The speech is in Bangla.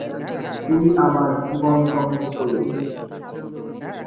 তুই আমার জীবন ধ্বংস করেছিস।